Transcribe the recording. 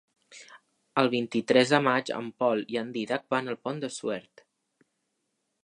El vint-i-tres de maig en Pol i en Dídac van al Pont de Suert.